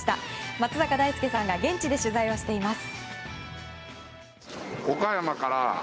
松坂大輔さんが現地で取材をしています。